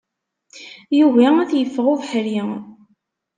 Yugi ad t-iffeɣ ubeḥri.